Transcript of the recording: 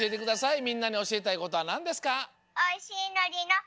みんなにおしえたいことはなんですか？